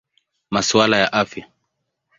Masuala ya Afya.